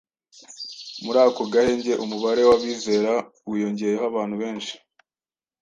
Muri ako gahenge umubare w’abizera wiyongeyeho abantu benshi.